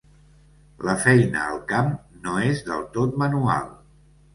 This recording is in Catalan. La feina al camp no és del tot manual.